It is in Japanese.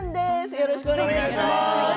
よろしくお願いします。